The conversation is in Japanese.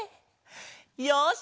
よし！